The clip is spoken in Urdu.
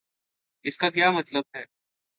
اس کا کیا مطلب؟